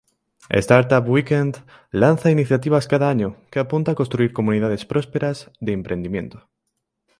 Startup Weekend lanza iniciativas cada año, que apuntan a construir comunidades prósperas de emprendimiento.